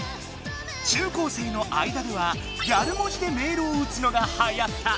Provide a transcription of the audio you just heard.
中高生の間では「ギャル文字」でメールをうつのがはやった！